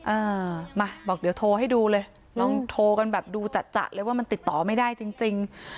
อ่ามาบอกเดี๋ยวโทรให้ดูเลยลองโทรกันแบบดูจัดจะเลยว่ามันติดต่อไม่ได้จริงจริง